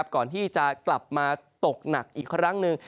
ก่อนที่จะกลับมาตกหนักอีกครั้งหนึ่ง